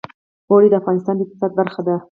اوړي د افغانستان د اقتصاد برخه ده.